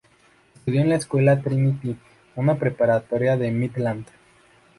Estudió en la escuela Trinity, una preparatoria en Midland.